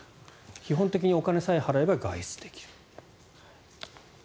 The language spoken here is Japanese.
基本的にお金さえ払えば外出できる。